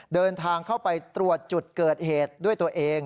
เดินทางเข้าไปตรวจจุดเกิดเหตุด้วยตัวเอง